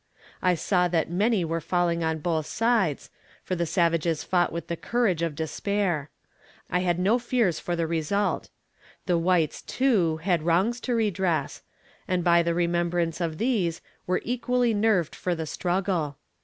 I saw that many were falling on both sides, for the savages fought with the courage of despair. I had no fears for the result. The whites, too, had wrongs to redress, and by the remembrance of these were equally nerved for the struggle.